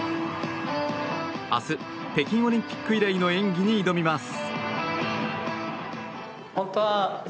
明日、北京オリンピック以来の演技に挑みます。